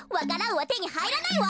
はてにはいらないわ。